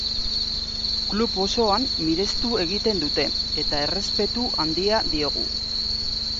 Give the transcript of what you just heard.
Klub osoan mirestu egiten dute eta errespetu handia diogu.